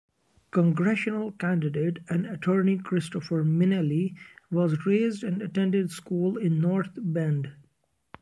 Congressional candidate and attorney Christopher Minelli was raised and attended school in North Bend.